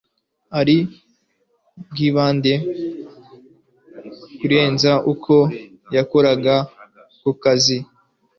ari kwibanda kurenza uko yakoraga kukazi